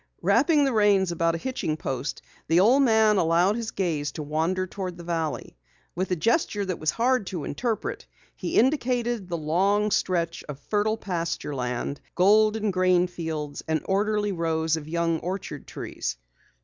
Wrapping the reins about a hitching post, the old man allowed his gaze to wander toward the valley. With a gesture that was hard to interpret, he indicated the long stretch of fertile pasture land, golden grain fields and orderly rows of young orchard trees.